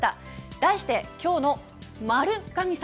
題して今日の○神様。